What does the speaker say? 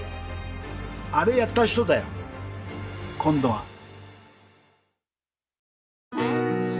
あれやった人だよ今度は。